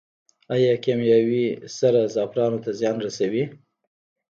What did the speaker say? آیا کیمیاوي سره زعفرانو ته زیان رسوي؟